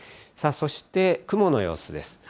そして、雲の様子です。